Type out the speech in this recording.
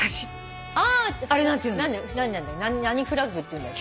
ああ何フラッグっていうんだっけ。